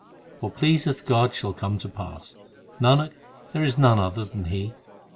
What pleaseth God shall come to pass ; Nanak, there is none other than He.